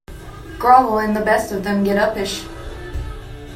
Grovel, and the best of them get uppish.